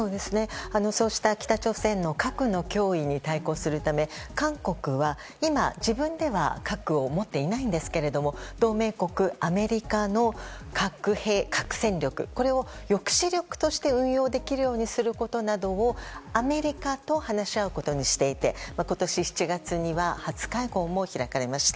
そうした北朝鮮の核の脅威に対抗するため韓国は今、自分では核を持っていないんですけども同盟国、アメリカの核戦力を抑止力として運用できるようにすることなどをアメリカと話し合うことにしていて今年７月には初会合も開かれました。